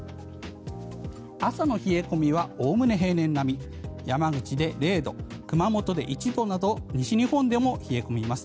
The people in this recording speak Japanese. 朝の冷え込みはおおむね平年並み山口で０度、熊本で１度など西日本でも冷え込みます。